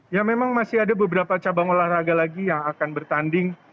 ya memang masih ada beberapa cabang olahraga lagi yang akan bertanding